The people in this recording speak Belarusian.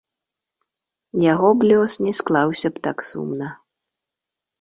Яго б лёс не склаўся б так сумна.